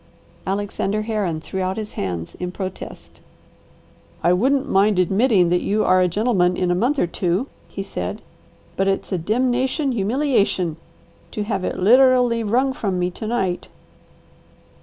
Alexander Herron threw out his hands in protest. "I wouldn't mind admitting that you are a gentleman in a month or two," he said, "but it's a demnation humiliation to have it literally wrung from me to night!"